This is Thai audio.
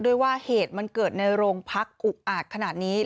ด้วยว่าเหตุมันเกิดในโรงพักอุกอาจขนาดนี้